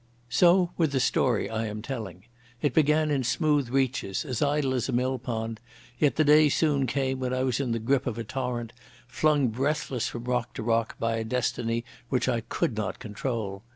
So with the story I am telling. It began in smooth reaches, as idle as a mill pond; yet the day soon came when I was in the grip of a torrent, flung breathless from rock to rock by a destiny which I could not control.